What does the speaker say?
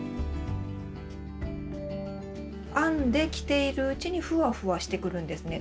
編んで着ているうちにふわふわしてくるんですね。